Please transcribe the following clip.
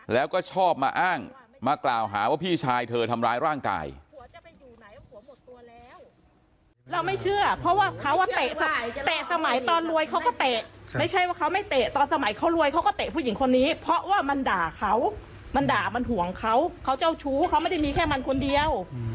แล้วก็ชอบมาอ้างมากล่าวหาว่าพี่ชายเธอทำร้ายร่างกาย